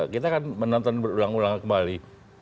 kita kan menonton berulang ulang kembali